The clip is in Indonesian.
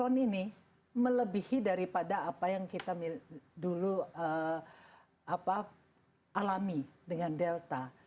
tahun ini melebihi daripada apa yang kita dulu alami dengan delta